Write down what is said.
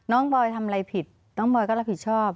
บอยทำอะไรผิดน้องบอยก็รับผิดชอบ